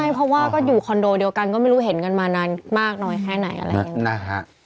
ใช่เพราะว่าก็อยู่คอนโดเดียวกันก็ไม่รู้เห็นกันมานานมากน้อยแค่ไหนอะไรอย่างนี้นะฮะ